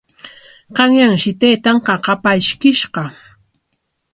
Qanyanshi taytan qaqapa ishkishqa.